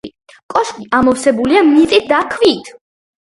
კოშკი ამოვსებულია მიწით და ქვით.